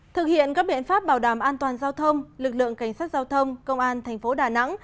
thực hiện các biện pháp bảo đảm an toàn giao thông lực lượng cảnh sát giao thông công an thành phố đà nẵng